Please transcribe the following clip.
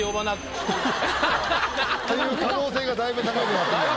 っていう可能性がだいぶ高くなってるよ。